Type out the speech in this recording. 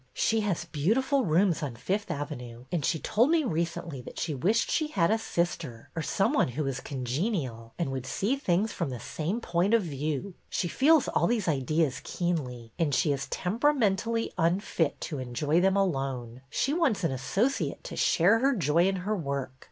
She has beau tiful rooms on Fifth Avenue, and she told me recently that she wished she had a sister, or some one who was congenial and would see things from the same point of view. She feels all these ideas keenly, and she is temperamentally unfit to enjoy them alone. She wants an asso ciate to share her joy in her work.